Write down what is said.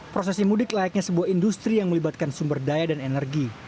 prosesi mudik layaknya sebuah industri yang melibatkan sumber daya dan energi